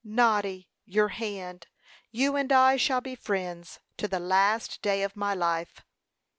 "Noddy, your hand! You and I shall be friends to the last day of my life."